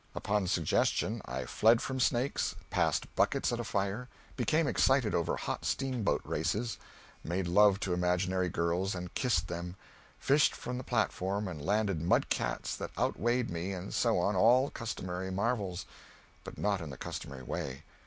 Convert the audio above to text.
Upon suggestion I fled from snakes; passed buckets at a fire; became excited over hot steamboat races; made love to imaginary girls and kissed them; fished from the platform and landed mud cats that outweighed me and so on, all the customary marvels. But not in the customary way.